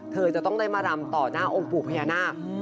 เธอจะต้องได้มารำต่อหน้าองค์ปู่พญานาค